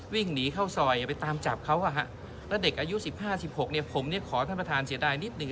วิ่งหนีเข้าซอยไปตามจับเขาแล้วเด็กอายุ๑๕๑๖เนี่ยผมขอท่านประธานเสียดายนิดหนึ่ง